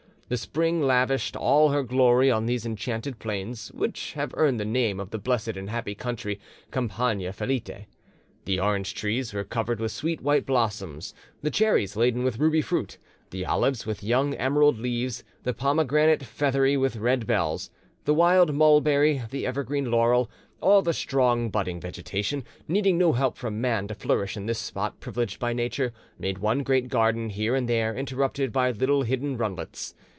The spring lavished all her glory on these enchanted plains, which have earned the name of the blessed and happy country, campagna felite. The orange trees were covered with sweet white blossoms, the cherries laden with ruby fruit, the olives with young emerald leaves, the pomegranate feathery with red bells; the wild mulberry, the evergreen laurel, all the strong budding vegetation, needing no help from man to flourish in this spot privileged by Nature, made one great garden, here and there interrupted by little hidden runlets.